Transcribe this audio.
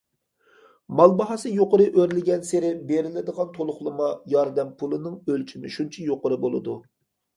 مال باھاسى يۇقىرى ئۆرلىگەنسېرى، بېرىلىدىغان تولۇقلىما ياردەم پۇلىنىڭ ئۆلچىمى شۇنچە يۇقىرى بولىدۇ.